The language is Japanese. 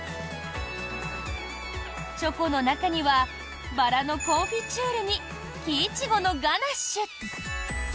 チョコの中にはバラのコンフィチュールにキイチゴのガナッシュ。